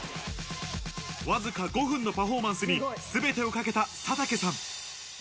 わずか５分のパフォーマンスに、すべてをかけた佐竹さん。